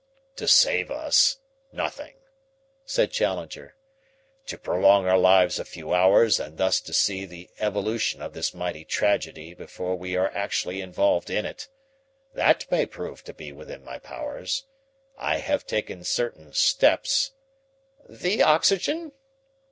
"To save us nothing," said Challenger. "To prolong our lives a few hours and thus to see the evolution of this mighty tragedy before we are actually involved in it that may prove to be within my powers. I have taken certain steps " "The oxygen?"